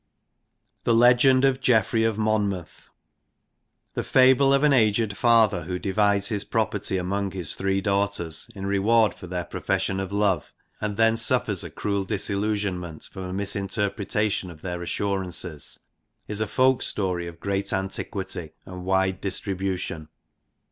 The Legend of Geoffrey of Monmouth. The fable of an aged father who divides his property among his three daughters in reward for their profession of Jove, and then suffers a cruel disillusionment from a misinterpretation of their assurances, is a folk story of great antiquity and wide distribution.